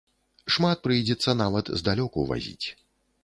Шмат, прыйдзецца нават здалёку вазіць.